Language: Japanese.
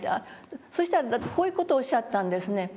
そしたらこういう事をおっしゃったんですね。